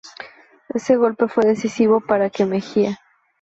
Ese golpe fue decisivo para que Mejía.